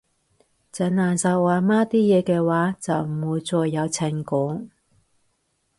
整爛晒我阿媽啲嘢嘅話，就唔會再有情講